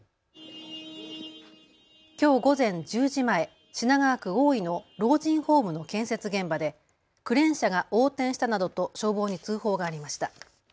きょう午前１０時前、品川区大井の老人ホームの建設現場でクレーン車が横転したなどと消防に通報がありました。